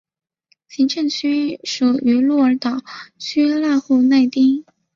行政区属于鹿儿岛县濑户内町。